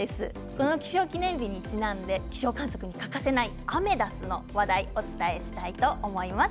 この気象記念日にちなんで気象観測に欠かせないアメダスの話題をお伝えします。